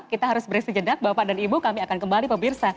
kita harus berisi jedak bapak dan ibu kami akan kembali pemirsa